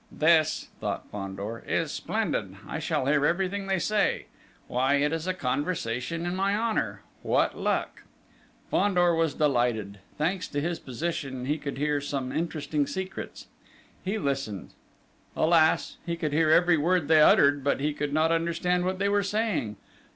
"This," thought Fandor, "is splendid! I shall hear everything they say. Why, it is a conversation in my honour! What luck!" Fandor was delighted: thanks to his position he would hear some interesting secrets. He listened. Alas! He could hear every word they uttered, but he could not understand what they were saying!